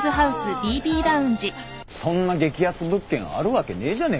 そんな激安物件あるわけねえじゃねえか。